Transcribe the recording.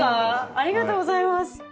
ありがとうございます。